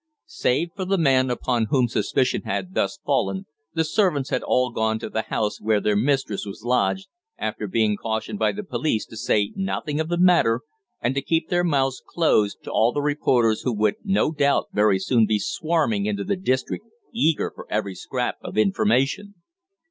Save for the man upon whom suspicion had thus fallen, the servants had all gone to the house where their mistress was lodged, after being cautioned by the police to say nothing of the matter, and to keep their mouths closed to all the reporters who would no doubt very soon be swarming into the district eager for every scrap of information.